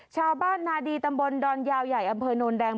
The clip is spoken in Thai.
ชาวบ้านนาดีตำบลดอนยาวใหญ่อำเภอโนนแดง